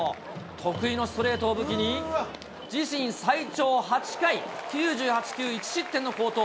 得意のストレートを武器に、自身最長８回、９８球１失点の好投。